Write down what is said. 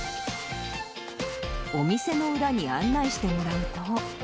お店の裏に案内してもらうと。